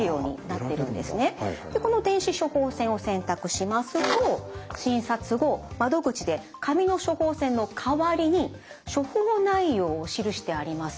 この電子処方箋を選択しますと診察後窓口で紙の処方箋の代わりに処方内容を記してあります